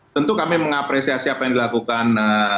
tentu kami mengapresiasi apa yang dilakukan